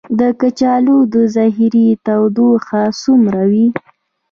د کچالو د ذخیرې تودوخه څومره وي؟